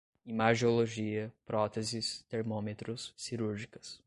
imagiologia, próteses, termômetros, cirúrgicas